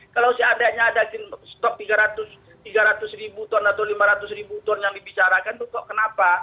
kalau seandainya ada stok rp tiga ratus ton atau rp lima ratus ton yang dibicarakan itu kok kenapa